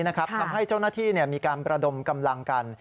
ทำให้เจ้าหน้าที่มีการประดมกำลังกัน